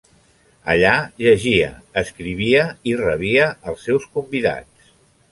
Allà llegia, escrivia i rebia els seus convidats.